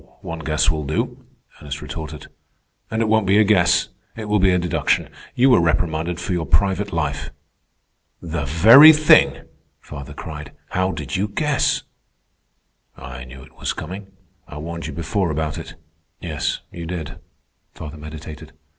"One guess will do," Ernest retorted. "And it won't be a guess. It will be a deduction. You were reprimanded for your private life." "The very thing!" father cried. "How did you guess?" "I knew it was coming. I warned you before about it." "Yes, you did," father meditated.